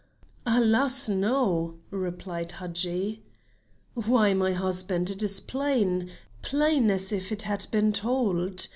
"Alas! no," replied Hadji. "Why, my husband, it is plain, plain as if it had been told.